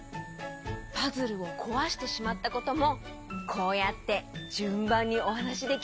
パズルをこわしてしまったこともこうやってじゅんばんにおはなしできる？